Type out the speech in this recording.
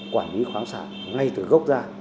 quản lý khoáng sản ngay từ gốc ra